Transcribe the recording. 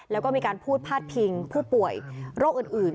แล้วก็มีการพูดพาดพิงผู้ป่วยโรคอื่น